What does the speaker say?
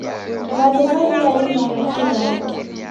W'andu w'aw'iaimwa hachi raw'o.